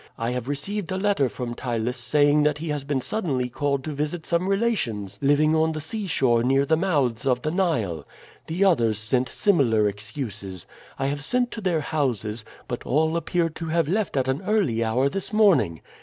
I have received a letter from Ptylus saying that he has been suddenly called to visit some relations living on the seashore near the mouths of the Nile. The others sent similar excuses. I have sent to their houses, but all appear to have left at an early hour this morning.